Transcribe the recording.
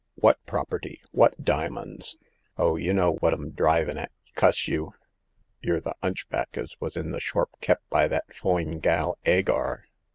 '* What property ? What diamonds ?''Oh, y' know what 'm drivin' at, cuss you ! Y're the 'unchback as wos in the shorp kep' by that foine gal 'Agar.